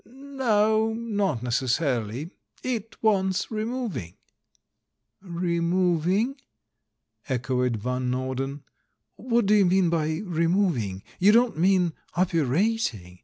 "No, not necessarily. It wants removing." "Removing?" echoed Van Norden. "What do you mean by 'removing' — you don't mean 'op erating'?